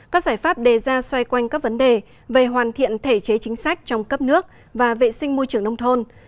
các giải pháp đề ra xoay quanh các vấn đề về hoàn thiện thể chế chính sách trong cấp nước và vệ sinh môi trường nông thôn